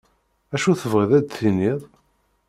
Acu tebɣiḍ ad d-tiniḍ?